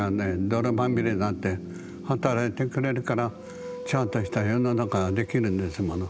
泥まみれになって働いてくれるからちゃんとした世の中ができるんですもの。